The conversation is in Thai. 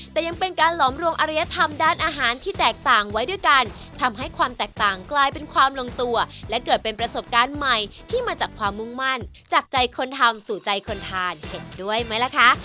แต่ยังเป็นการหลอมรวมอริยธรรมด้านอาหารที่แตกต่างไว้ด้วยกันทำให้ความแตกต่างกลายเป็นความลงตัวและเกิดเป็นประสบการณ์ใหม่ที่มาจากความมุ่งมั่นจากใจคนทำสู่ใจคนทานเห็นด้วยไหมล่ะคะ